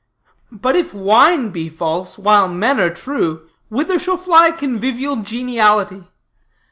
But if wine be false, while men are true, whither shall fly convivial geniality?